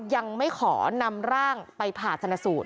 ยังไม่ขอนำร่างไปผ่าชนสูตร